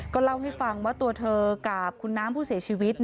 เล่าให้ฟังว่าตัวเธอกับคุณน้ำผู้เสียชีวิต